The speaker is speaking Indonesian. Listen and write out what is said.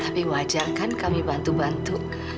tapi wajar kan kami bantu bantu